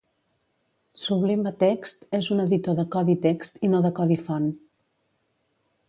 Sublime Text és un editor de codi text i no de codi font.